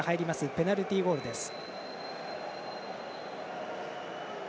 ペナルティゴールです。